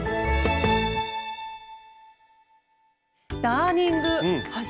ダーニング